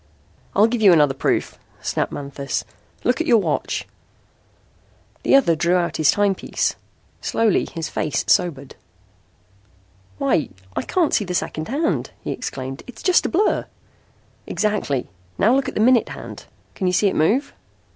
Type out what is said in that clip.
"I'll give you another proof," snapped Manthis. "Look at your watch." The other drew out his timepiece. Slowly his face sobered. "Why, I can't see the second hand," he exclaimed. "It's just a blur!" "Exactly! Now look at the minute hand. Can you see it move?"